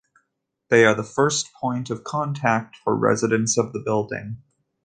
They are the first point of contact for residents of the building.